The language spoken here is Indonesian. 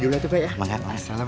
dede cantik mau minum